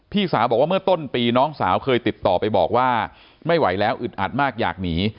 พี่สาวบอกว่าเมื่อต้นปีน้องสาวเคยติดต่อไปบอกว่าไม่ไหวแล้วอึดอัดมากอยากหนี